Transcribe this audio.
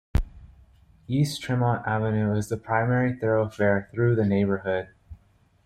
East Tremont Avenue is the primary thoroughfare through the neighborhood.